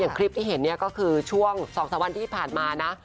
คลิปที่เห็นเนี่ยก็คือช่วง๒๓วันที่ผ่านมานะ